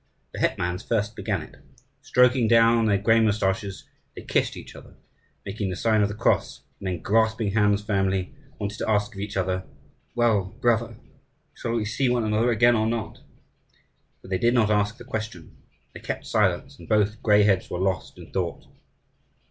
The hetmans first began it. Stroking down their grey moustaches, they kissed each other, making the sign of the cross, and then, grasping hands firmly, wanted to ask of each other, "Well, brother, shall we see one another again or not?" But they did not ask the question: they kept silence, and both grey heads were lost in thought.